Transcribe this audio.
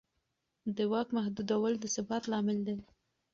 د واک محدودول د ثبات لامل دی